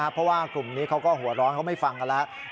เพราะว่ากลุ่มนี้เขาก็หัวร้อนเขาไม่ฟังกันแล้ว